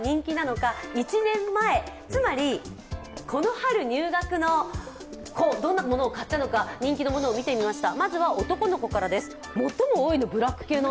じゃあ、どんなものが人気なのか１年前、つまりこの春入学の子、どんなものを買ったのか人気のものを見てみました。